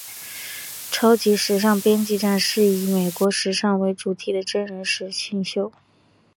超级时尚编辑战是以美国时尚为主题的真人实境秀。